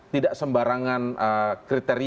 tidak sembarangan kriteria